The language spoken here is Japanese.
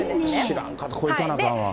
知らんかった、ここ行かなあかんわ。